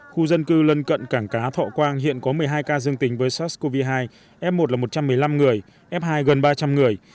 khu dân cư lân cận cảng cá thọ quang hiện có một mươi hai ca dương tính với sars cov hai f một là một trăm một mươi năm người f hai gần ba trăm linh người